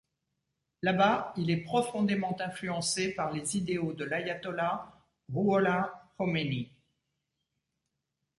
Là-bas, il est profondément influencé par les idéaux de l'ayatollah Rouhollah Khomeini.